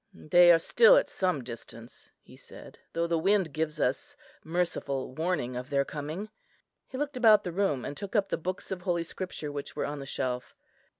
"They are still at some distance," he said, "though the wind gives us merciful warning of their coming." He looked about the room, and took up the books of Holy Scripture which were on the shelf.